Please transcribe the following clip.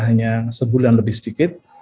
hanya sebulan lebih sedikit